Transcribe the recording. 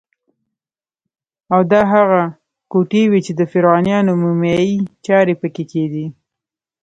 او دا هغه کوټې وې چې د فرعونیانو مومیایي چارې پکې کېدې.